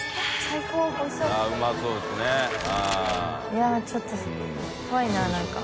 いやちょっと怖いななんか。